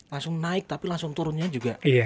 langsung naik tapi langsung turunnya juga